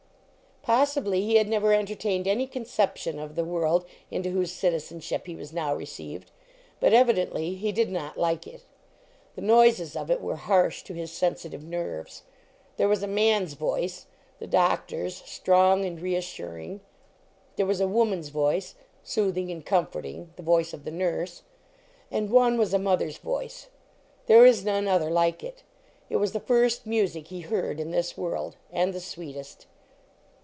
Possibly he had never entertained any conception of the world into whose citizen ship he was now received, but evidently he did not like it. The noises of it were harsh to his sensitive nerves. There was a man s voice the doctor s, strong and reassuring. There was a woman s voice, soothing and comforting the voice of the nurse. And one 2 ALPHA was a mother s voice. There is none other like it. It was the first music he heard in this world. And the sweetest.